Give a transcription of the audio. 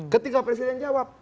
ketika presiden jawab